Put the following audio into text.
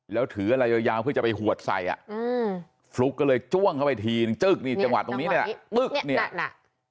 แล้วถือระยะยาวเพื่อจะไปหวดใส่ฟลุ๊กก็เลยจ้วงเข้าไปทีนึงจังหวะตรงนี้นี่นี่น่ะน่ะ